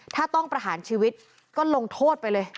ถ้าต้องประหารชีวิตก็ลงโทษไปเลย